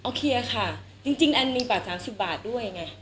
เอาเคลียร์ค่ะจริงจริงอันมีบาทสามสิบบาทด้วยไง